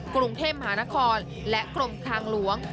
กรุงเทพมหานครและกรมทางหลวง